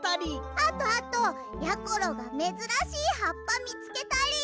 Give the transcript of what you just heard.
あとあとやころがめずらしいはっぱみつけたり！